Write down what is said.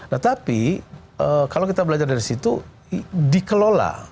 nah tapi kalau kita belajar dari situ dikelola